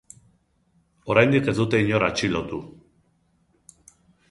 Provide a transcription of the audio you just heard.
Oraindik ez dute inor atxilotu.